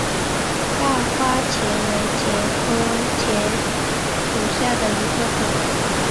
大花茄为茄科茄属下的一个种。